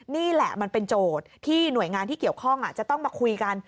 นี่แหละมันเป็นโจทย์ที่หน่วยงานที่เกี่ยวข้องจะต้องมาคุยกัน